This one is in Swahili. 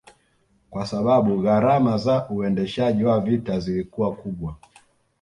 kwasababu gharama za uendeshaji wa vita zilikuwa kubwa